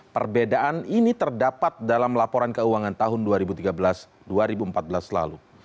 perbedaan ini terdapat dalam laporan keuangan tahun dua ribu tiga belas dua ribu empat belas lalu